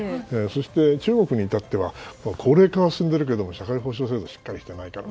そして中国に至っては高齢化が進んでいるけれども社会保障制度がしっかりしていないから。